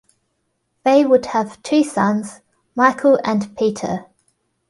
They would have two sons, Michael and Peter.